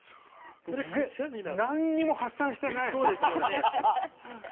何にも発散してないの。